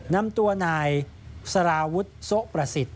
นำตัวนายสารวุฒิโซะประสิทธิ